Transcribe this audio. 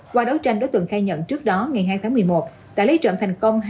qua đấu tranh đối tượng khai nhận trước đó ngày hai tháng một mươi một đã lấy trộm thành công